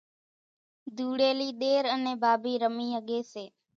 ڌوڙيلي ۮير انين ڀاڀي رمي ۿڳي سي